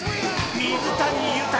水谷豊